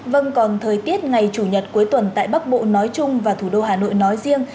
vâng còn thời tiết ngày chủ nhật cuối tuần tại bắc bộ nói chung và thủ đô hà nội nói riêng